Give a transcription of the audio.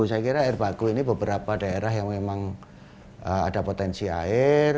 saya kira air baku ini beberapa daerah yang memang ada potensi air